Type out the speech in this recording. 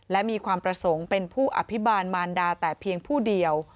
และมีความประสงค์เป็นผู้อภิบาลมารดาแต่เพียงผู้เดียว